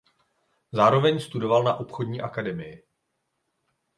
Zároveň studoval na obchodní akademii.